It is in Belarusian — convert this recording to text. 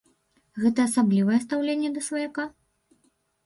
Гэта асаблівае стаўленне да сваяка?